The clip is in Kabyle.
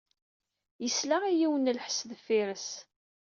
Yesla i yiwen n lḥess deffir-s.